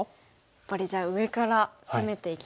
やっぱりじゃあ上から攻めていきたいですね。